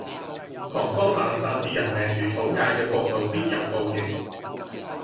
狂轟濫炸視人命如草芥嘅國度必有報應。